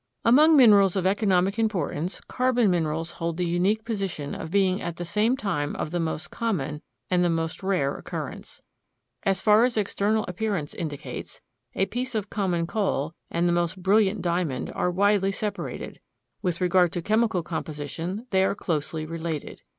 Among minerals of economic importance carbon minerals hold the unique position of being at the same time of the most common and the most rare occurrence. As far as external appearance indicates, a piece of common coal and the most brilliant diamond are widely separated; with regard to chemical composition they are closely related.